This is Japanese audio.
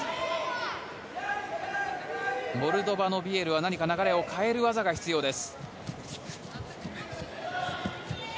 モルドバのビエルは何か流れを変える技が必要です。